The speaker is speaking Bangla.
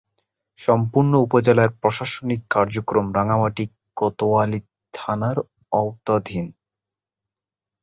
সম্পূর্ণ উপজেলার প্রশাসনিক কার্যক্রম রাঙ্গামাটি কোতোয়ালী থানার আওতাধীন।